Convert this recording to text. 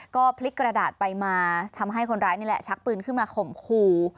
ก็พลิกกระดาษไปมาทำให้คนร้ายนี่แหละชักปืนขึ้นมาข่มขู่